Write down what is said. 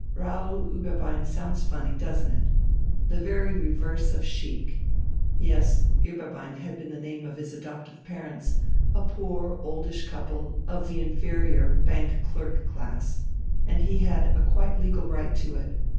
Raoul Ueberbein sounds funny, doesn't it? The very reverse of chic. Yes, Ueberbein had been the name of his adoptive parents, a poor, oldish couple of the inferior bank clerk class, and he had a quite legal right to it.